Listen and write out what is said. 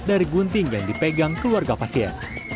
dari gunting yang dipegang keluarga pasien